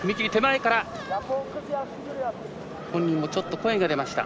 本人も、ちょっと声が出ました。